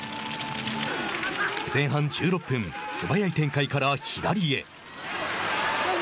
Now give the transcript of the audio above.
前半１６分、素早い展開から左へ。